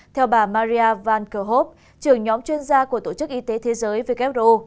theo bà maria van kerkhoop trưởng nhóm chuyên gia của tổ chức y tế thế giới who